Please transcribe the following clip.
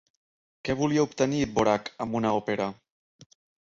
Què volia obtenir Dvořák amb una òpera?